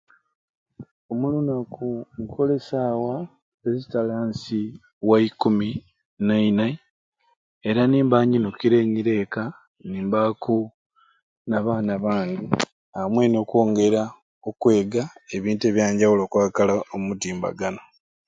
Buli lunaku nkola esaawa ezitali ansi wa saawa eikuminaine era nimba nyunikire nyira ekka nimbaku n'abaana bange amwei nokongera okwega ebintu ebyanjawulo okwakala omu mutimbagano